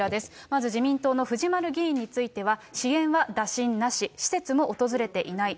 まず自民党の藤丸議員については、支援は打診なし、施設も訪れていない。